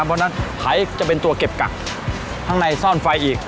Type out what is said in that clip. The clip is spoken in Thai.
เพราะฉะนั้นไถจะเป็นตัวเก็บกักข้างในซ่อนไฟอีก